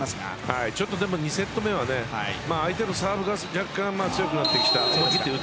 でも、２セット目は相手のサーブが若干強くなってきた。